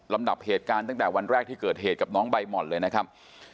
ดับเหตุการณ์ตั้งแต่วันแรกที่เกิดเหตุกับน้องใบหม่อนเลยนะครับ